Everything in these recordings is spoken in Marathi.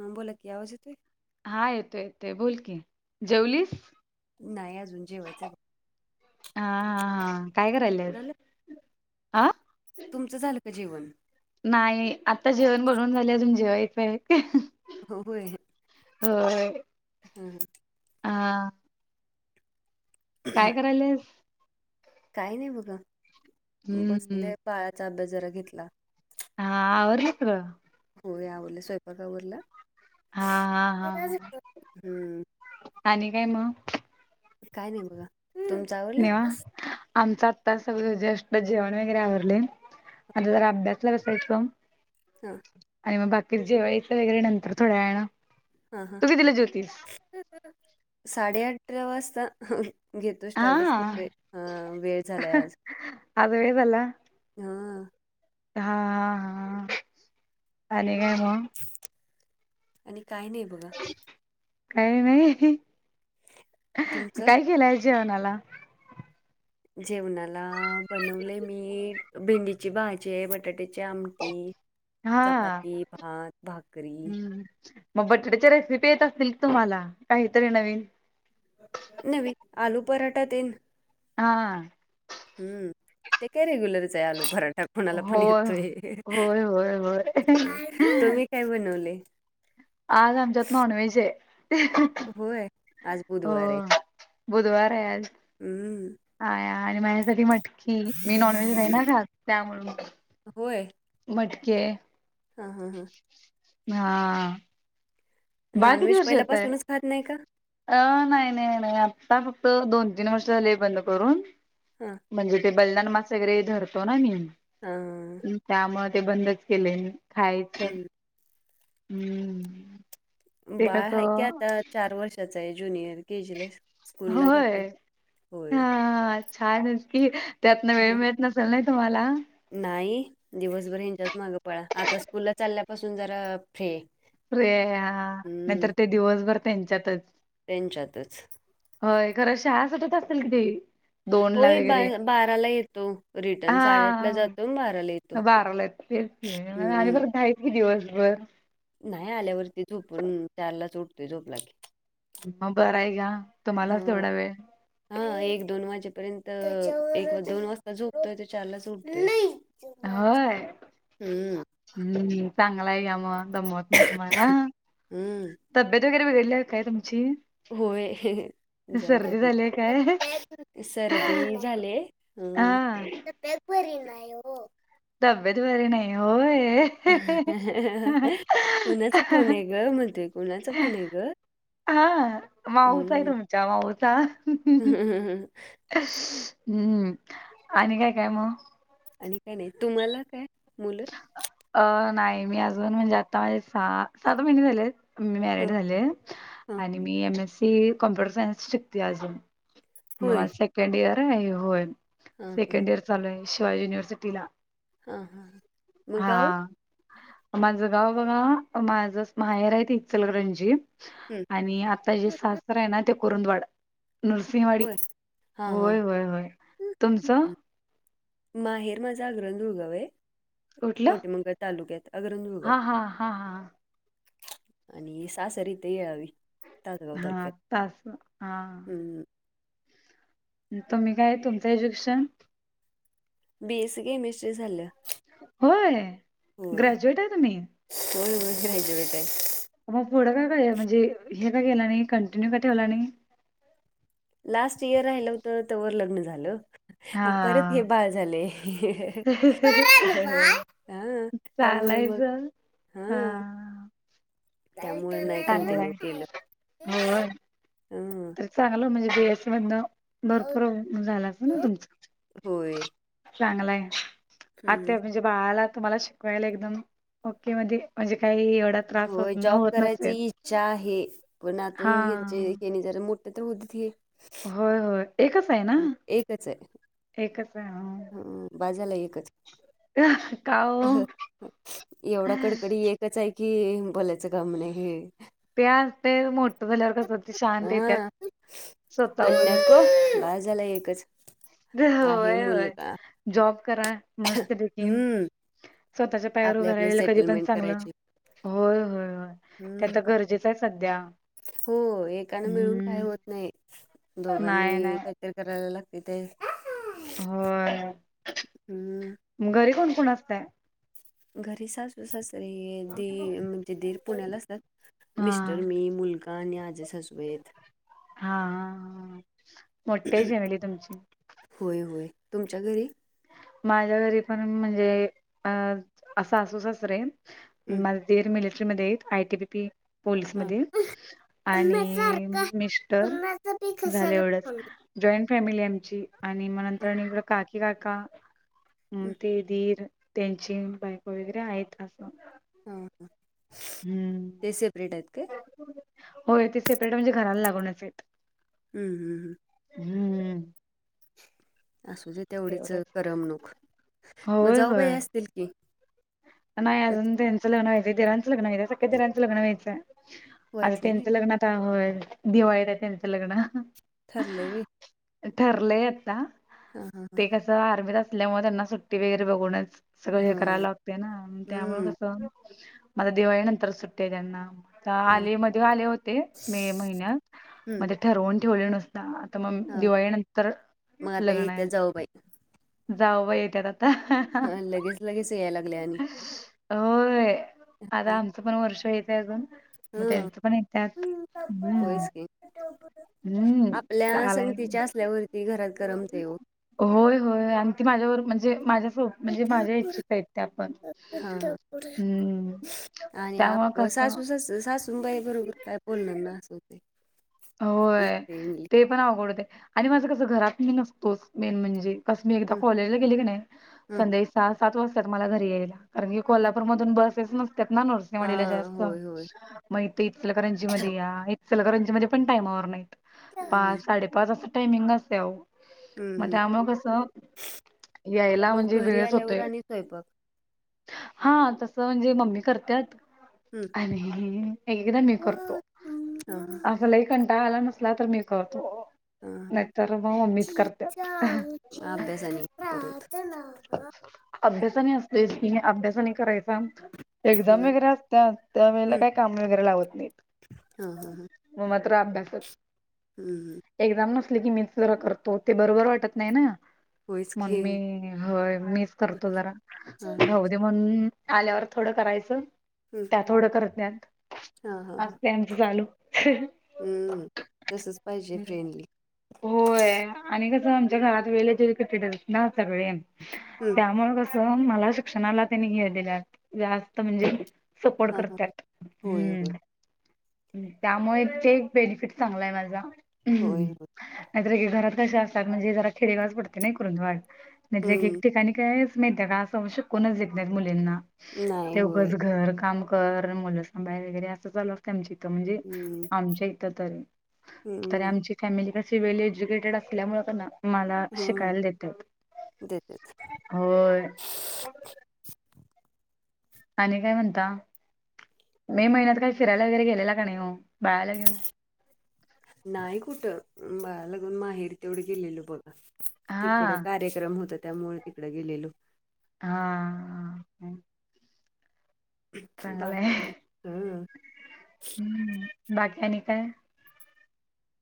हां बोला क आज येतय हा येतोय येतोय बोल की जेवलीस नाही अजून जेवा्हायचे हा हा हा काय करायला झालं ह तुमचं झालं का जीवन नाही आता जेवण बनवून झाले तुून जेवायच आहेत का हो होय हो हा ह काय करायलास काय नाही बघा हम्म हम्म बसले बाळाचा अभ्यास जरा घेतला हारेत हो यावले स्वयंपाका हा हा हा हा बरलाम् आणि काय मग काय नाही बघा तुमचं आवडलं निवा आमचं आत्ता सगळ जेष्ठ जेवण वगैरे आवरले आता जरा अभ्यासला वसा तर आणि मग बाकी जेवाय येतं वगैरे नंतर थोड्या आहें हा हा साडे अठरा वाजता घेतोय हा स्टार्टच करतोय अ वेळ झालाय आज आज वेळ झाला हा हा हा हा चाले काय मग आणि काय नाही बघा काही नाही तुमचं काय केलाय जवणाला जेवणाला बनवले मी भेंडीची भाजी बटाट्याचे आम हा चपाती भात भाकरी हम्म मग बटाट्याच्या रेसिपी येत असतील तुम्हाला काहीतरी नवीन न आलू पराठा देन. हा. हम्म ते काय रे गुलर लो भराा कोणाला पण होय येतोय होय होय होय त. काय बनवले. आज आमच्यात नॉनव्हेज आहे. वर एक हो बुधवार याल. हम्म. हा आणि माझ्यासाठी मटकी मी नॉन व्हेज नाही ना ख त्यामु होय. मटके. हा हा हा. हा. बाळ नॉन किती व्हेज वर्षाच आहे पहिल्यापासूनच खात नाही का? अ नाही नाही नाही आता फक्त दोन तीन वर्ष झाली बंद करून हा. म्हणजे ते बलदान मास वगरे धरतो ना मी हा. त्यामुळे ते बंदच केले खायच हम्म हम्म. ते बाळ आहे कय कसं आता चार वर्षाचा आहे ज्युनियर के जीला स्कूल ला जाते होय. छान नकी त्यातन वेळ मिळत नसल नाही तुम्हाला नाही दिवसभर हच्याच माग पळा आता स्कूल चालल्यापासून जरा फ्री रे हा हम्म नाहींतर ते दिवसभर त्यांच्यातच त्यांच्यातच होय खरं शहा सटत असतील कि ते दोन हो ला ब वगैरे बाराला येतो रिटर्न साडेआठला हा जातो बाराला येतो. बाराला आणि हम्म बर दय दिवसभर नाही आल्यावरती झोपण चारला च उडतोय झोप लागे मग बरं आहे का तुम्हालाच हा. तेवढा वेळ हा एक दोन वाजेपर्यंत एक दोन वाजता झोपतोय त चारलाच उठत. होय हम्म चांगला आहे का मग- दमवत नाही तुम्हाला हम्म तब्येत वगैरे बघडली काय तुमची? होय. जर सर्दी झालीय काय सर्दी झाले अ हा दपरी नायो. तधब्यत बरे नाही होय. कोणाचं फोणे घ म्हणते कोणाचं फोणे घ हा माऊचा आहे तुमचा माऊचा हम हम हम्म आणि काय काय मग आणि काय नाही तुम्हाला काय मुलं अ नाही मी अजून म्हणजे आता माझे सहा सात महिने झाले मी मॅरड हां झाले हां आणि मी एम एस ती कॉम्प्युटर सायन्स शिकते अजून मग होय माझ सेकंड इयर हे होय हां हां सेकंड इयर चालूय शिवाय युनिव्हर्सिटी ला हा हां मग गाव हा माझं गाव बाघा माझ माहेर आहेत इचलकरंजी हं. आणि आता जे सास्र आहे ना ते करुंद वाड नृसिंहवाडी होय हां हां होय होय होय हं. तुमचं? माहेर माझा ग्रं रुगाव आहे. कुठलं कोटीमंगळ तालुक्यात अगरंजगाव हा हा हा हा आणि सासर इथे येळावी तासगाव हा तालुक्यात तास हा हम्म. तुम्ही काय तुमचं एज्युकेशन बीएसी केमिस्ट्री झाल्या. होय होय ग्रॅज्युएट आहे तुम्ही होय हो राहिज भेटय. मग पुढं का काय म्हणजे हे का केला नाही कंटिन्यू का ठेवला नाही लास्ट इयर राहिलं होत त्यावर लग्न झालं परत हे हा बाळ झाले ु हा त्यामुळे मग चालायचं हा त्यामुळे नाही कंटिन्यू चांगलंय केलं होय हम तर चांगलं म्हणजे बीस ब भरपूर झाला अस ना तुमच होय. चांगलाय हम्म. आता म्हणजे बाळाला तुम्हाला शिकवायला एकदम ओके म्हणजे काही एवढा त्रास होत हो न जॉब होत करायच नसेल इच्छा आहे पण हा आतूनची यांचे हे की न जरा मोठ तर होती त होय होय एकच आहे ना ह एकच आहे एकच आहे हो ह बाजाला एकच का हो अ एवढा कडकडी एक त्याच आहे की बोलायचं काम नाही ते ते मोठ झाल्या शांत येते पण्याक बाार झाला एकच आहे होय होय मुलगा जॉब करा मस्त भेटेल हम्म स्वतःच्या पायावर आपले उभं आपले राहिलं कधी पण सेटलमेंट चांगलं करायची. होय होय होय ते हम्म आता गरजेचं आहे सध्या हो एकाना मिळून काय हम्म होत नाही दोघांनी नाही नाही र करायला लागते ते हो हम्म घरी कोण कोण असतय घरी सासू सासरी दी म्हणजे दीर पुण्याला असतात हा मिस्टर मी मुलगा आजल सासूबाई आहेत हा मोठ्या फेमली तुमची होय होय तुमच्या घरी माझ्या घरी पण म्हणजे अ सासू-सासरे हं माल देर मिलिटरी ममध्ये आहेत आयटीबी पी पोलीस हां. मध आणि सारखं मिस्टर कुणाचा बी झाले कशाला एवढंच फोन जॉईंट फॅमिली आमची आणि मग हां नंतरकडं काकी काका म ते धीर त्यांची बायक वगैरे आहेत असं हा ह हम्म सपरेट आहेत का होय ते सेपरेट म्हणजे घराला लागूनच आहेत हम्म हम ह हम्म हम्म असू देे तेवढीच तेवढंच करमणूक मग होय जाऊबा हे होय असतील की नाही अजून त्यांचं लग्न व्हायंय देरांचं लग्न व्हाय सगळ्या देरांचं लग्न व्हायचं आता व्हायचंय व्हय त्यांच लग्नात दिवाळीत आहे त्यांचं लग्न थरले व ठरलंय आता हा हा ते आर्मीत असल्यामुळे त्यांना सुट्टी वगैरे बघवणच सगळ हां हे हां करायला लागते ना त्यामुळे हं कसं मला दिवाळी नंतर सुट्टे त्यांना हां आले मध्ये आले होते मे महिन्यात हं मध्ये ठरवून ठेवले नसते आता मग हां दिवाळी नंतर लग्न आहे हो बाई जावं येते हा, लगेच लगेच याय लागल्या आणि होय आम पण वर्ष येते अजून मग हं त्यांच पण येत हम् होयच की हम्म आपल्या चालेय संगतीच्या असल्यावरती घरात करमते ओ होय होय आणि ती माझ्यावर म्हणजे माझ्या हो म्हणजे माझ्या इच्छित आहेत आपण हा हम् आणि सासू सास सासूबाई बरोबर काय बोलणार ना असं होते होय ते पण आवघडते आणि माझं कसं घरात मी नसतोच मेन म्हणजे कस मी एकदा ह कॉलेजला गेली की नाही ह संदे तास सात वाजताात मला घरी यायला कारण की कोल्हापूर मधून बसेस नसतात ना हा नोर् ला जास्त होय होय मग इचलकरंजी मध्ये या इचलकरंजी मध्ये पण टामावर नाहीत हम्म पाच साडेपाच अस टामिंग अस म हम्म मग यायला मग म्हणजे घरी वेळच आल्यावर होतोय आणि स्वयंपाक हा तसं म्हणजे मम्मी करतात हम्म आणि एकदा मी करतो हा लाही कंटा आला नसला तर मी करतो नाहीतर मग मम्मीच करते अभ्यासानी अभ्यासाने असते की अभ्यासाने करायचा एक्झाम होय वगैरे असत त्या वेळेला हम्म काही काम वगैरे लावत नाहीत हा मग मात्र अभ्यासात हम् हम् एक्झाम नसली की मीच जरा करतो ते बरोबर वाटत नाही ना वच म्हणून खेळ मी होय मीच करतो जरा भाह दे म्हणून आल्यावर थोडं करायचं हम् त्या थोडं करत जञात आजते आचं चालू हम्म. तसंच पाहिजे फ्रेंडली. होय आणि कसं आमच्या घरात वेळे जरी कटेट ना सगळे हम् त्यामुळे कसं मला शिक्षणाला त्यांनी घे दि जास्त म्हणजे सपोर्ट हां, हां. करतात होय, हम्म होय. त्यामुळे ते एक बेनिफिट चांगलाय माझा हो हम्म हो नाहीतर घरात कसेा असतात म्हणजे जरा खेडेगाज पडते नाही करून वाढ नाहीतरे एक हं. ठिकाणी काय मा का मुलींना नाही होय. तेंच घर काम घर मुलंसांबायर वगैरे असं चाल च्या इथं म्हणजे हं. आमच्या इथं तरी तरी हं. आमची फॅमिली कशी वेल एज्युकेटेड असल्यामुळे का ना मला शिकायला देतात देतच होय आणि काय म्हणता मे महिन्यात काही फिरायला वगैरे गेलेला का नाही हो बाळाला घेऊन नाही कुठं लगून माहेरी ते एवढे गेलेलो बघ तिकड हा कार्यक्रम होत त्यामुळे तिकडं गेलेलो. हा. चांगय बाकी हं. ह बाकीन का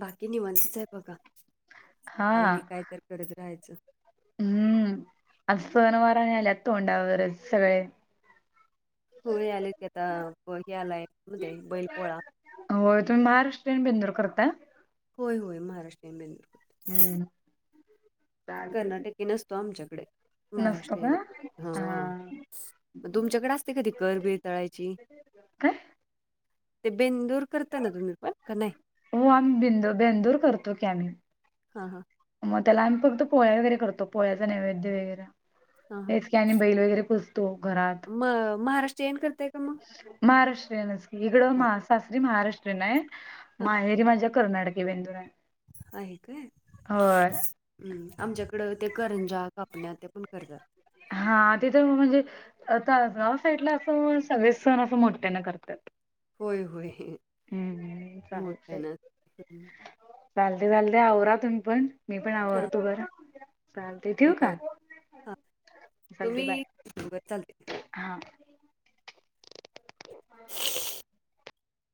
बाकी निवंतच आहे बघा हा आहेई काय तर करत राहायचं हम्म अससन वाल अतोा रसग. हो आले की आता हे आलाय मध्ये बैल पोळा. हो तुम्ही महाराष्ट्रीयन बेंदूर करता. होय होय महाराष्ट्रा बेंदु. हम्म. चालतंय की कर्नाटके नसतो आमच्याकडे. नसतो का महाराष्ट्रन हा तुमच्याकडे असते कधी करबीर तळायची. काय. ते बिंदूर. हो आम्ही बिंदु बेंदूर करतो की आम्ही. हा हा. मग त्याला आम्ही फक्त पोळ्या वगैरे करतो पोळ्याचा नैवेद्य वगैरे हा हेच. कने बैल वगैेु. तो घरात. मग महाराष्ट्र येन करताय का मग. महाराष्ट्रीयनच हा इकडं सासरी महाराष्ट्रीयन आहे हा माहेरी माझ्या. कर्नाटके बेंदुर आहे. आहे काय. होय. हम् आमच्याकडं ते करंजा कापण्या ते पण करतात. हा तिथं म्हणजे आता आगाव साईडला असं सगळे सण असं मोठ्याना करतात. होय होय. हम्म चालत मोठ्या चालते ना चालते आवरातून पण. मी पण हा आवडतो बर. चालते ठेव का बरं हा चालते बाय तुम्ही बरं चालते हा.